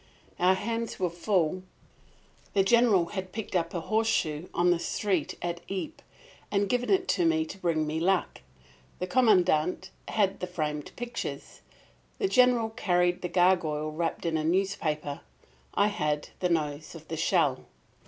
Our hands were full. The General had picked up a horseshoe on the street at Ypres and given it to me to bring me luck; the Commandant had the framed pictures. The General carried the gargoyle wrapped in a newspaper. I had the nose of the shell.